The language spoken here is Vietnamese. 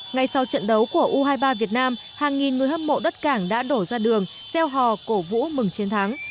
ngay sau trận đấu của u hai mươi ba việt nam hàng nghìn người hâm mộ đất cảng đã đổ ra đường gieo hò cổ vũ mừng chiến thắng